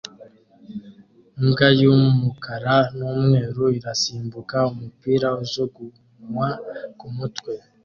Imbwa y'umukara n'umweru irasimbuka umupira ujugunywa ku mutwe